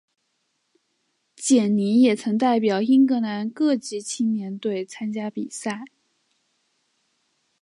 简尼也曾代表英格兰各级青年队参加比赛。